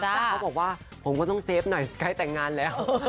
แต่เขาบอกว่าผมก็ต้องเซฟหน่อยใกล้แต่งงานแล้ว